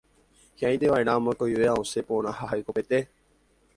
Hiʼãitevaʼerã mokõivéva osẽ porã ha hekopete.